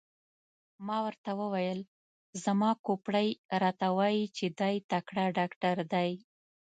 ما ورته وویل: زما کوپړۍ راته وایي چې دی تکړه ډاکټر دی.